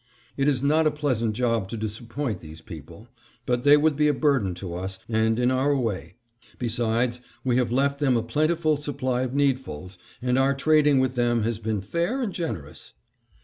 It is not a pleasant job to disappoint these people, but they would be a burden to us and in our way. Besides, we have left them a plentiful supply of needfuls, and our trading with them has been fair and generous.